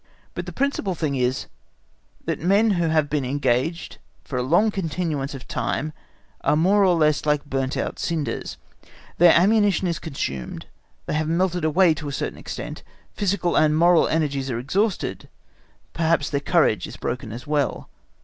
But the principal thing is, that men who have been engaged for a long continuance of time are more or less like burnt out cinders; their ammunition is consumed; they have melted away to a certain extent; physical and moral energies are exhausted, perhaps their courage is broken as well.